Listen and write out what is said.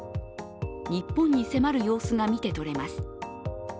日本に迫る様子が見てとれます。